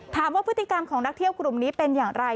ถามว่าพฤติกรรมของนักเที่ยวกลุ่มนี้เป็นอย่างไร